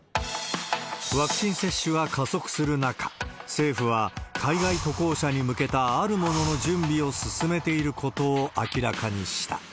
ワクチン接種は加速する中、政府は海外渡航者に向けたあるものの準備を進めていることを明らかにした。